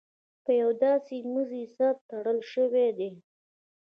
په یو داسې مزي سره تړل شوي دي.